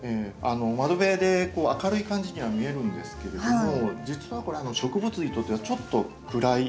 窓辺で明るい感じには見えるんですけれども実はこれ植物にとってはちょっと暗い。